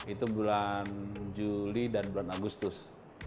itu bulan juli dan bulan agustus